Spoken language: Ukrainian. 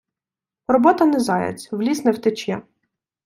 Робота не заяць, у ліс не втече.